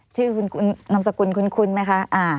ชื่อนามสกุลคุณคุณไหมคะ